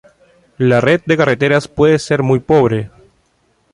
La red de carreteras puede ser muy pobre.